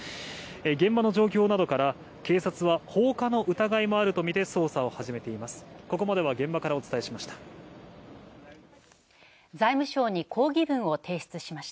現場の状況などから警察は放火の疑いもあるとみて捜査を始めています。